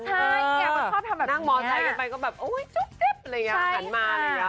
นั่งมอเตอร์ไทยกันไปก็แบบโอ้ยจุ๊บเจ็บอะไรอย่างนั้นมา